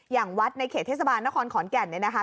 อย่างวัดในเขตเทศบาลนครขอนแก่นเนี่ยนะคะ